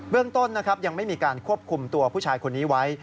เรื่องต้นนะครับยังไม่มีการควบคุมตัวผู้ชายคนนี้ไว้